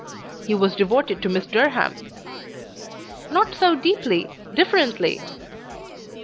"He was devoted to Miss Durham." "Not so deeply: differently."